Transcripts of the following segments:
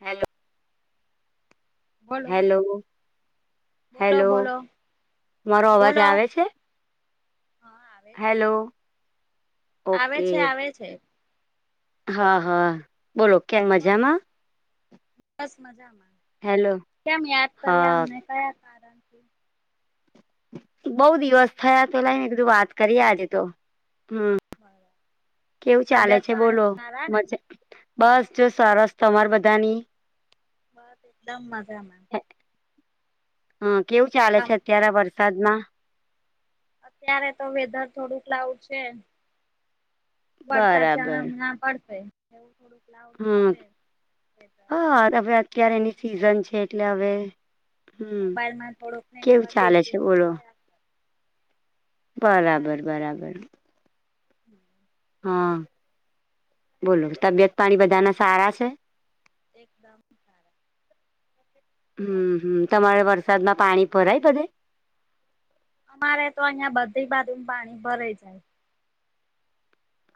Hello બોલો hello બોલો hello બોલો મારો અવાજ બોલો આવે છે હા આવે છે ને હેલો આવે ઓકે છે આવે છે હા હા બોલો કેમ બોલો મજામાં બસ મજામાં હેલો કેમ યાદ કર્યા હા અમને કયા કારણથી? બઉુ દિવસ થયા તો લાઈ વાત કરીએ આજે તો હમ બરાબર કેવું ચાલે તબિયત છે પાણી બોલો સારા ને મજા બસ જો સરસ તમાર બધાની બસ એકદમ મજા મેમ હા કેવું ચાલે છે અત્યારે વરસાદમાં અત્યારે તો વેધર થોડુંક લાઉડ છે વરસાદ જાણે બરાબર હમણા પડશે એવું થોડુંક ક્લાઉડ હમ છે હા ત [inaudible] ક્યારે એની સિઝન છે એટલે હવે હમ મોબાઈલ માં થોડોક કેવું નેટવર્ક ચાલે છે ઇસ્યૂ બોલો થયા કરે બરાબર બરાબર હા બોલો તબિયત પાણી બધાના સારા છે એકદમ સારા હમ હમ તમારે વર [inaudible] વરસાદમાં પાણી ભરાઈ બધે અમારે તો અહિયાં બધી બાજુ પાણી ભરાઈ જાય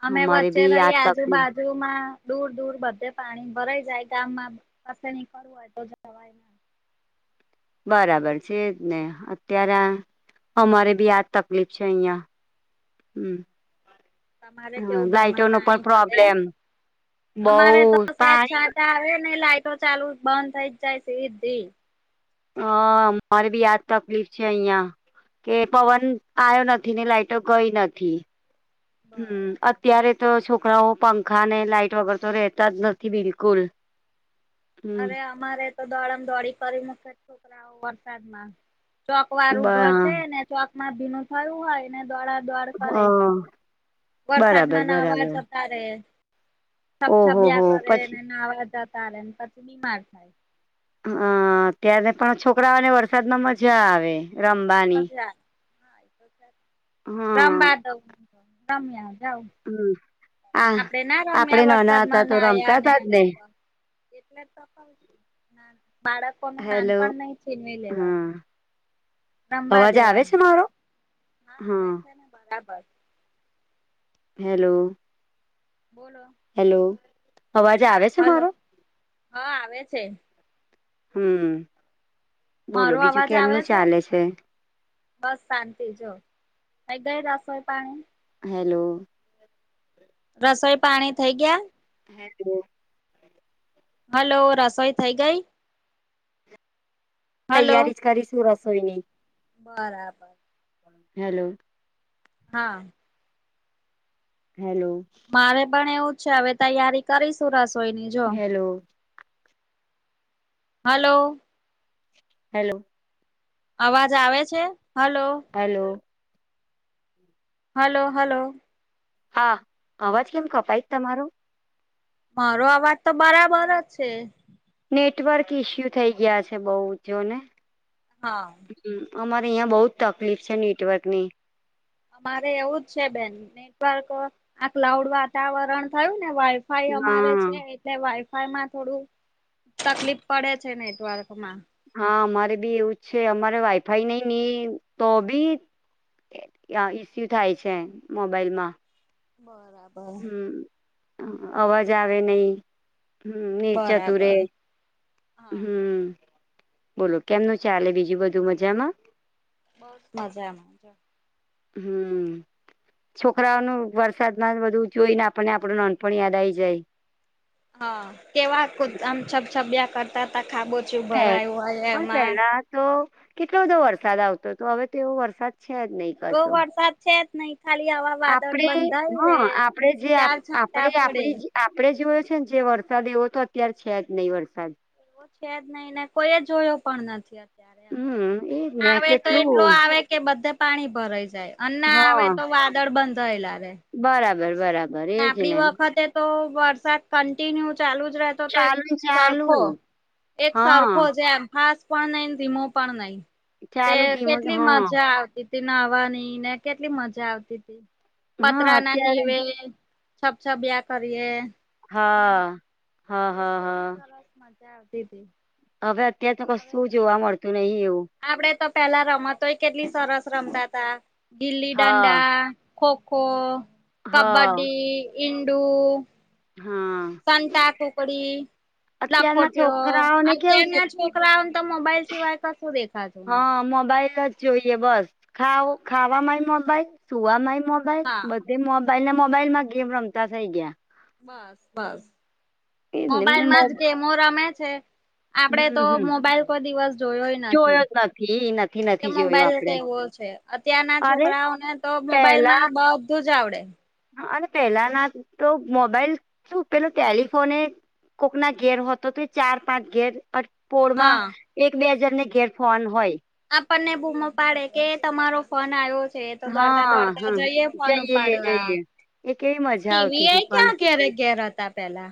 અમે અમારે વચ્ચે બી આ રહી આજ તકલીફ બાજુ માં દૂર દૂર બધે પાણી ભરાઈ જાય ગામમાં કસે નીકળવું હોય તો જવાઈ બરાબર છે જ ને અત્ય્યારે અમારે બી આજ તકલીફ છે અહિયાં હમ તમારે હ કેવું લાઈટો ઘરમાં ન પણ પાણી પડે પ્રોબ્લેમ બહુ અમારે તો સેજ પાણી છાંટા આવે નઈ લાઈટો ચાલુ બંધ થઇ જ જાય સીધી હ મારે બી આજ તકલીફ છે અહિયાં કે પવન આવ્યો નથી ને લાઈટો ગઈ નથી હમ બરાબર અત્યારે તો છોકરાઓ પંખા ને લાઈટ વગર તો રહેતા જ નથી બિલકુલ હમ અરે અમારે તો દોડમ દોડી કરી મૂકે છોકરાઓ વરસાદમાં ચોક બ વાળું ઘર છે ને ચોકમાં ભીનું થયું હોય ને દોડા દોડ હ કરે વરસાદ બરાબર માં નવા જ બરાબર રે છપ ઓહો હો છબ્યા કરે પછી ને નાહવા જતા રે પછી બીમાર થાય હ ત્યારે પણ છોકરાઓને વરસાદમાં મજા આવે રમબા મજા હા એ તો છે હા દ [unintelligible] તમ્યા જાાવ હમ આ આપડે નાના હતા વરસાદમાં તો નાયા રમતા તાજ ને એટલે તો કવ છું બાળકોનું હેલો નાનપણ નહી છીનવી હા લેવાનું રંબા અવાજ આવે છે દેવાનું મારો હા આવે છે ને બરાબર હેલો બોલો હેલો અવાજ આવે છે હલો મારો હા આવે છે હમ બોલો મારો બીજું અવાજ આવે કેમનું ચાલે છે બસ શાંતિ જો થઈ ગઈ રસોઈ પાણી હેલો રસોઈ પાણી થઈ ગયા હ [inaudible] હલો રસોઈ થઈ ગઈ હલો તૈયારી જ કરીશ હું રસોઈની બરાબર હેલો હા હેલો મારે પણ એવું છે હવે તૈયારી કરીશ હું રસોઈની જો હલો હલો હેલો અવાજ આવે છે? હલો હલો હલો-હલો હા અવાજ કેમ કપાય તમારો? મારો અવાજ તો બરાબર જ છે. નેટવર્ક ઈસ્યુ થઈ ગયા છે, બહુ જોને હા હ અમારે અહં બહુ જ તકલીફ છે. નેટવર્ક ની અમારે એવું જ છે, બેન નેટવર્ક આ ક્લાઉડ વાતાવરણ થયું ને વાય ભાઈ અમારે હા. છે એટલે વાઈફાઈ માં થોડું તકલીફ પડે છે, નેટવર્કમાં હા અમારે બી એવું જ છે, અમારે વાઈફાઈ નઈ નની તો બી ઈસ્યુ થાય છે, મોબાઈલ માં બરાબર હમ અવાજ આવે નય હમ નેટ જતું બરાબર રેય હા હમ બોલો કેમનું ચાલે બીજું બધું મજામાં? બસ મજા માં હમ છોકરાઓ નું વરસાદ માં બધું જોઈને આપણને આપણું નાનપણ યાદ આવી જાય હા કેવા આમ છબ છબ્યા કરતા હતા ખાબો કોઈ છે ના તો કેટલો બધો વરસાદ આવતો હતો હવે તોવો વરસાદ છે, જ નહી બહ વરસાદ છે, જ નહીિ ખાલી હવા આપણે હ આપણે જે ચાર છાંટા આપણે પડે આપડી આપડે જોયો છે, ને જે વરસાદ એવો તો અત્યારે છે, જ નહી વરસાદ છે જ નહી કોઈ જોયો પણ નથી અત્યારે એમ હમ એજ ને આવે તો એટલો કેટલું આવે કે બધે પાણી ભરાઈ જાય અને ના આવે હા તો વાદળ બધાંયેલા રેય બરાબર બરાબર અને એજ આપડી ને વખતે તો વરસાદ કન્ટિન્યુ ચાલુ જ રહે તો તો એક ચાલુ ચાલુ સરખો એક હા સરખો જેમ ફાસ પણ નઈ ધીમો પણ નઈ તે ચાલુ ધીમું કેટલી હા મજા આવતી નવાની ની ને કેટલી મજા આવતી હતી હા પતરા ની અત્યારે નેવે છપ છપ બ કરીએે. કેવી હા-હા-હા-હા સરસ મજા આવતી હતી હવે અત્યારે તો હવે કશું જોવા મળતું નહી એવું આપડે તો પેલા રમતોય કેટલી સરસ રમતા હતાા ગિલ્લી હા દંડા ખોખો, હા કબ્ડી, ઇન્ડુ હા સંતા કુકડી અત્યારના લખોટીયો છોકરાઓને કેવું છે અત્યારના છોકરાઓ ને તો મોબાઈલ સિવાય કશું દેખાતું હા નથી. મોબાઈલ જ જોઈએ બસ ખાવુ હા ખાવામાં એ મોબાઈલ સુવામાંએ મોબાઈલ બ હા ધે મોબાઈલ ને મોબાઈલમાં ગેમ રમતા થઈ ગયા બસ બસ એજને મો મોબાઈલમાં જ ગેમો રમે છે. આપડે હમ તો હમ મોબાઈલ કોઈ દિવસ જોયોયએ નથી જોયો જ નથી નથી કે નથી જોયો મોબાઈલ આપડે કેવો છે. અત્યારના અરે છોકરાઓને તો મોબાઈલમાં બધું જ આવડે હા અને પેલા ના તો મોબાઈલ શું પેલું ટેલિફોને કોકના ઘેર હો હતો તો ચાર પાંચ ઘેર પોળમાં હા એક બે જને ઘેર ફોન હોય આપણને બુમો પાડે કે તમારો ફોન આવ્યો છે, તો દોડતા હા દોડતા હા જઈએ ફોન જઈએ ઉપાડવા જઈએ એ કેવી મજા આવતી ટીવી એ હતી પણ ક્યાં ઘેરે ઘેર હતા પેલા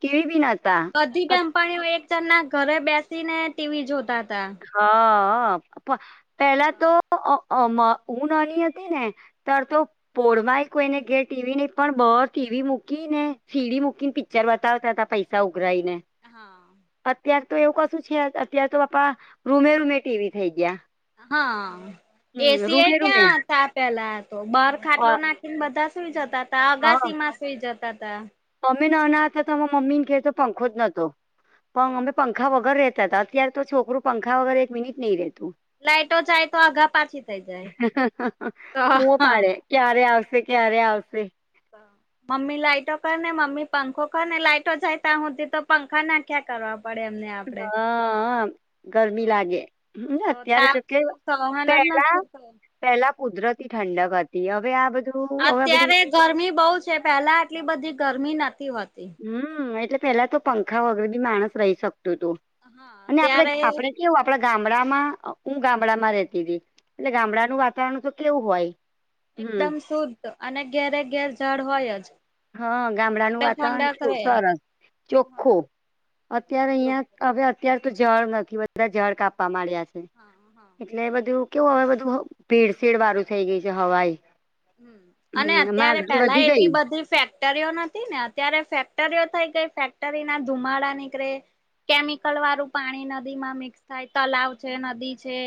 ટીવી બી નતા બધી બેનપણીઓ એક જનના ઘરે બેસીને ટીવી જોતા હતા હા પેલા તો હું નાની હતી ને ત્યાર તો પોળમાંય કોઈને ઘેર ટીવી ની પણ બો ટીવી મૂકી ને સીડી મૂકીને પિ ચર બતાવતા હતા પૈસા ઉઘરાઈ ને હા. અત્યાર તો એવું કશું છે, અત્યાર તો પપ્પા રૂમે રૂમે ટીવી થઈ ગયા હા હમ એસી એ રૂમે રૂમે ક્યાં હતા પેલા તો બાર અ ખાટલો નાખ બધા સુઈ જતા તા હા અગાસીમાં સુઈ જતા તા અમે નાના હતા તો અમે મમ્મી ને કે તો પંખો જ નતો પણ અમેં પં પંખા વગર રહેતા હતા અત્યારે તો છોકરું પંખા વગર એક મિનિટ ની રહેતું લાઈટો જાય તો આગા પાછી થઈ જાય તો બૂમો પાડે ક્યારે આવશે, ક્યારે આવશે મમ્મી લાઈટો કરને મમ્મી પંખો કરને લાઈટો જાયતા હુધી તો પંખા નાખ્યા કરવા પડે એમને આપડે હા ગરમી લાગે અત્યારે જો કે કહાના જ ના કરતા પેહલા કુદરતી ઠંડક હતી હવે આ બધ આ અત્યારે ગરમી બોવ છે, પેલા આટલી બધી ગરમી નથી હોતી હમ એટલે પેલા તો પંખા વગર બી માણસ રહી શકતું હતું હા અને આપડે ત્યારે આપડે એવું આપડા ગામડામાં હું ગામડામાં રેતી હતી એટલે ગામડાનું વાતાવરણ તો કેવું હોય હમ એકદમ શુદ્ધ અને ઘેરે ઘેર ઝાડ હોય જ હ ગામડાનું એટલે વાતાવરણ ઠંડા કેવું કરે સરસ હા ચોખ્ખું એકદમ અત્યારે અહિયાં ચોખ્ખું હવે અત્યારે તો ઝડ નથી બધા ઝાડ કાપવા માંડ્યા છે, હા હા એટલે બધું કેવું હવે બધું ભીડ શીડ વારું થઈ ગઈ છે, હવાઈ હમ અને હમ અત્યારે માંદગી વધી પેલા એટલી ગઈ બધી ફેક ટરીઓ નથી ને અત્યારે ફેક્ટરીઓ થઈ ગઈ ફેક્ટરી ના ધુમાડા નીકળે કેમિકલ વાળું પાણી નદીમાં મિક્સ થાય તલાવ છે, નદી છે.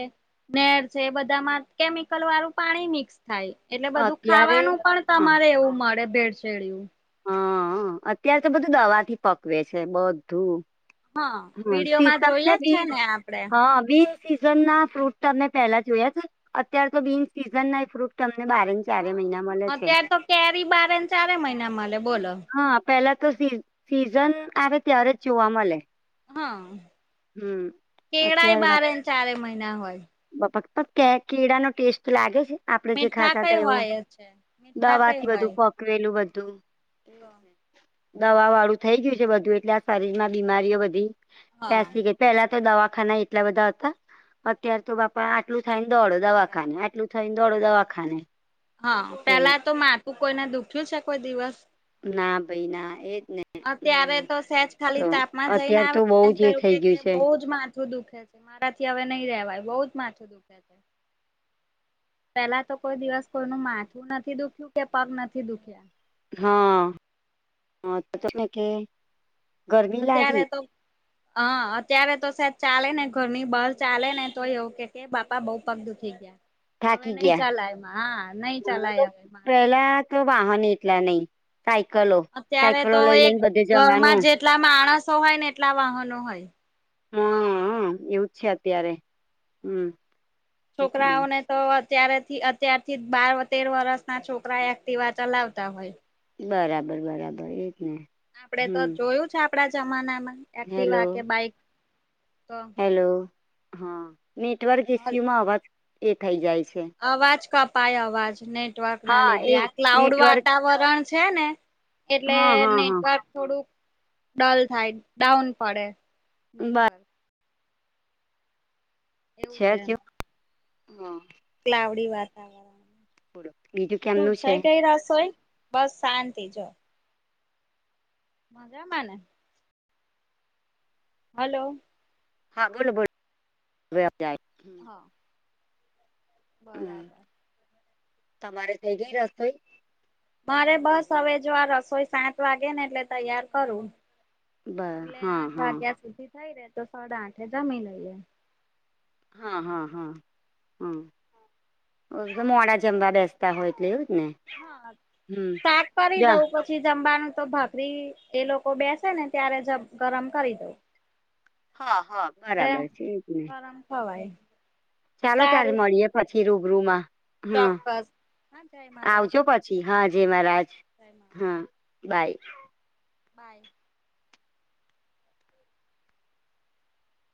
નેર છે, એ બધામાં કેમિકલ વાળું પાણી મિક્સ થાય એટલે બધું અત્યારે ખાવાનું પણ હ તમારે એવું મળે ભેળસેડયું હ અત્યારે તો બધું દવાથી પકવે છે, બધું હા હ વિડીયોમાં શીતમ ને જોઈએ જ છે બીજ આપડે હા બીજ સીઝન ના ફ્રૂટ તમે પેહલા જોયા છે, અત્યારે તો બીન સીઝન ના એ ફ્રૂટ તમને બા હા અત્યારે તો કેરી બારે ને ચારે મહિના મલે બોલો હા પેલા તો સી સીઝન આવે ત્યારે જ જોવા મલે હા કેળા એ અત્યારે બારેન ચારે મહિના હોય ફક્ત કે કેીડા નો ટેસ્ટ લાગે છે આપડે જે મીઠા ખાતા કઈ હતા એવું હોય જ છે. મીઠા કઈ દવાથી બધું હોય પકવેલું બધું એ તો જ ને દવા વાળું થઈ ગયું છે બધું એટલે આ શરીર માં બીમારીઓ બધી હા પેલા તો દવાખાના એટલા બધા હતા અત્યાર તો બાપ પણ આટલું થાય ને દોડો બરાબર દવાખાને આટલું થઈ ને દોડો દવાખાને હા પેલા તો માથું કોઈને દુખ્યું છે કોઈ દિવસ ના ભાઈ ના એજ ને અત્યારે હમ તો સહેજ તો ખાલી તાપમાં જઈને અત્યાર આવે તો બહુ જ એ થઈ ગયું છે બઉ જ માથું દુખે છે મારાથી હવે નહી રવાય બહુ જ માથું દુખે છે પેલા તો કોઈ દિવસ કોઈનું માથું નથી દુખ્યું કે પગ નથી દુખ્યા હા હ તો તો ન કે ગરમી અત્યારે લાગી તો હા અત્યારે તો સેજ ચાલે ને ઘરની બહાર ચાલે ને તો એવું કે એ બાપા બઉુ પગલું થઈ ગયા હવે થાકી નઈ ગયા ચાલાય હા નઈ હા, તો ચાલાય હવે મારાથી પેલા તો વાહન એટલા નહી સાયકલો અત્યારે સાયકલો તો લઈ એક લઈને બધે ઘરમાં જવાનું જેટલા માણસો હોય ને એટલા વાહનો હોય હ એવુંજ છે અત્યારે [inaudible] હ હમ એજ ને છોકરાઓને તો અત્યારેથી અત્યારથી બાર તેર વરષ ના છોકરા એક્ટીવા ચલાવતા હોય બરાબર બરાબર એ જ ને આપડે તો હમ જોયું છે આપડા જમાનામાં હેલો એક્ટિવા કે બાઈક તો હેલો હા નેટવર્ક ઇસ્યુમાં અવાજ એ થઇ જાય છે અવાજ કપાય અવાજ નેટવર્ક ના હા લીધે એ આ ક્લાઉડ નેટવર્ક વાતાવરણ છે ને એટલે હા હા હા નેટવર્ક થોડુંક ડલ થાય ડાઉન પડે બસ નેટવર્ક અચ એવું છે જું હા [inaudible] ક્લાઉડી વાતાવરણ બોલો બીજું શું કેમનું છે થાય ગઈ રસોઈ બસ શાંતિ જો મજામાંને હલો હા બોલો [inaudible] હવે અવાજ આયો હા હમ બરાબર [inaudible] તમારે થઈ ગઈ રસોઈ મારે બસ હવે જો આ રસોઈ સાત વાગે ને એટલે તૈયાર કરું બ એટલે હા આઠ હા વાગ્યા સુધી થઈ રે તો સાડા આઠે જમી લઈએ હા હા હા હમ મોડા જમવા બેસતા હોય એટલે એવું જ ને હા હમ શાક કરી જા દઉું પછી પછી જમવાનું તો ભાખરી એ લોકો બેસે ને ત્યારે જ ગરમ કરી દઉં હા હા બરાબર છે એ જ ને આમ ખાવાય ચાલો ત્યા્યારે મળીએે પછી રૂબરૂ માં હા ચોક્કસ હા જય મહારાજ આવજો પછી હા જય હા મહારાજ જય મહારાજ હા બાય બાય